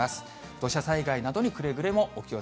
土砂災害などにくれぐれもお気を